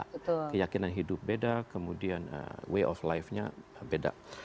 keyakinan hidup beda kemudian way of life nya beda